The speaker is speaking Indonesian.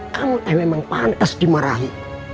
kamu emang pantes dimarahi